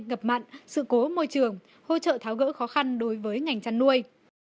ngập mặn sự cố môi trường hỗ trợ tháo gỡ khó khăn đối với ngành chăn nuôi